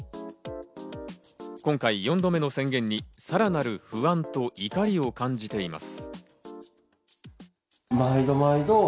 今回、４度目の宣言にさらなる不安と怒りを感じています。